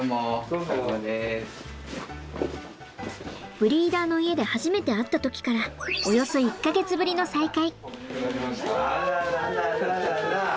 ブリーダーの家で初めて会った時からおよそ１か月ぶりの再会。